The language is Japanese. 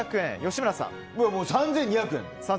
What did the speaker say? ３２００円。